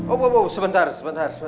oh sebentar sebentar